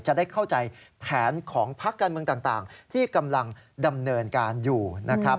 จะได้เข้าใจแผนของพักการเมืองต่างที่กำลังดำเนินการอยู่นะครับ